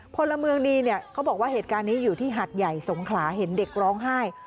พลเมืองดีเนี่ยเขาบอกว่าเหตุการณ์นี้อยู่ที่หัดใหญ่สงขลาเห็นเด็กร้องไห้